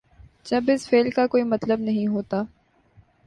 جب اس فعل کا کوئی مطلب نہیں ہوتا۔